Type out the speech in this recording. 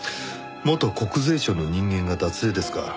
元国税庁の人間が脱税ですか。